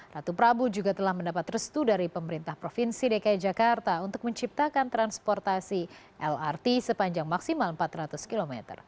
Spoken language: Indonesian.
ratu prabu juga telah mendapat restu dari pemerintah provinsi dki jakarta untuk menciptakan transportasi lrt sepanjang maksimal empat ratus km